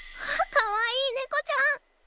かわいいネコちゃん。